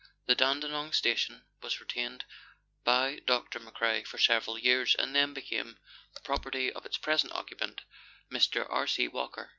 The Dandenong station was retained by Dr. McCrae for several years, and then became the property of its present occupant, Mr. R. C. Walker.